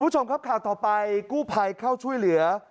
คุณผู้ชมครับข่าวต่อไปกู้ภัยเข้าช่วยเหลือ